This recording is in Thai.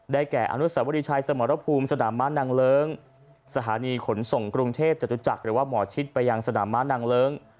แก่อนุสวรีชัยสมรภูมิสนามม้านางเลิ้งสถานีขนส่งกรุงเทพจตุจักรหรือว่าหมอชิดไปยังสนามม้านางเลิ้ง